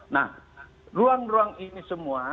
nah ruang ruang ini semua